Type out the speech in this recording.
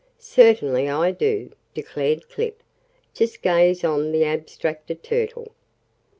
"Certainly I do," declared Clip. "Just gaze on the abstracted Turtle!"